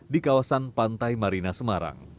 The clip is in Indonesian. di kawasan pantai marina semarang